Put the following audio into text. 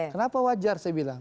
kenapa wajar saya bilang